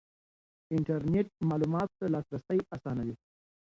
انټرنېټ معلوماتو ته لاسرسی اسانوي.